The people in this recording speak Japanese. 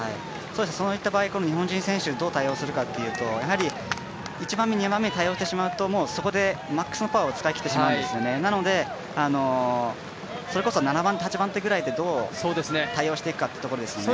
そういった場合、日本人選手どう対応するかっていうとやはり１番目、２番目に対応してしまうとそこでマックスのパワーを使い切ってしまうんですねなのでそれこそ７８番手ぐらいでどう対応をしていくかというところですよね。